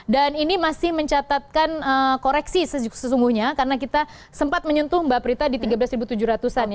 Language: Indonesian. dan ini masih mencatatkan koreksi sesungguhnya karena kita sempat menyentuh mbak prita di tiga belas tujuh ratus an